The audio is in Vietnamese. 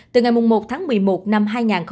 từ ngày một tháng một mươi một năm hai nghìn hai mươi